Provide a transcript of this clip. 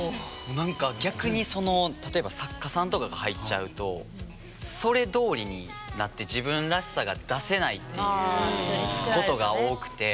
何か逆にその例えば作家さんとかが入っちゃうとそれどおりになって自分らしさが出せないっていうことが多くて。